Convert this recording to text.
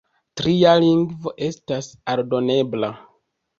Tria lingvo estas aldonebla.